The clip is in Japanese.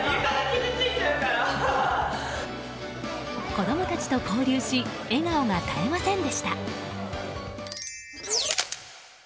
子供たちと交流し笑顔が絶えませんでした。